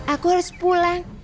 aku harus pulang